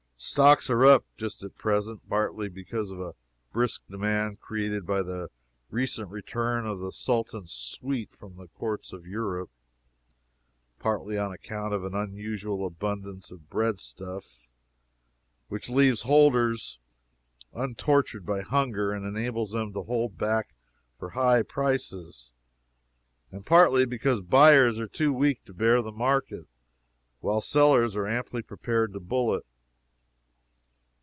Stocks are up, just at present, partly because of a brisk demand created by the recent return of the Sultan's suite from the courts of Europe; partly on account of an unusual abundance of bread stuffs, which leaves holders untortured by hunger and enables them to hold back for high prices; and partly because buyers are too weak to bear the market, while sellers are amply prepared to bull it.